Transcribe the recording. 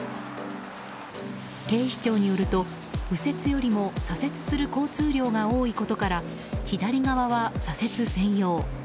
警視庁によると右折よりも左折する交通量が多いことから左側は左折専用。